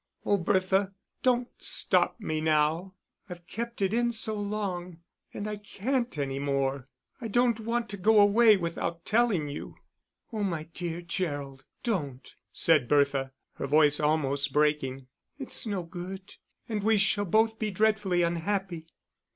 Oh, Bertha, don't stop me now. I've kept it in so long, and I can't any more. I don't want to go away without telling you." "Oh, my dear Gerald, don't," said Bertha, her voice almost breaking. "It's no good, and we shall both be dreadfully unhappy.